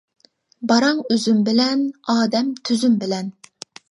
باراڭ ئۈزۈم بىلەن، ئادەم تۈزۈم بىلەن.